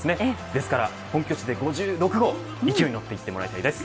ですから、本拠地で５６号勢いに乗っていってもらいたいです。